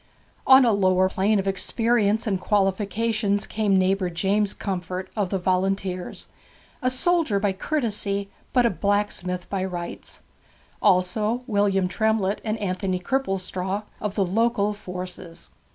On a lower plane of experience and qualifications came neighbour James Comfort, of the Volunteers, a soldier by courtesy, but a blacksmith by rights; also William Tremlett and Anthony Cripplestraw, of the local forces.